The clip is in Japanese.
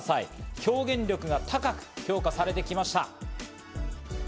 表現力が高く評価されてきました。